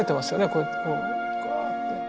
こうやってぐわって。